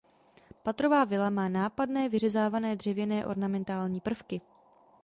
Patrová vila má nápadné vyřezávané dřevěné ornamentální prvky.